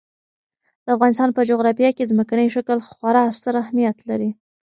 د افغانستان په جغرافیه کې ځمکنی شکل خورا ستر اهمیت لري.